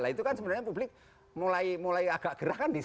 itu kan sebenarnya publik mulai agak gerah kan di situ